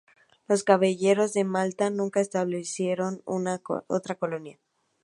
Los Caballeros de Malta nunca establecieron otra colonia.